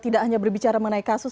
tidak hanya berbicara mengenai kasus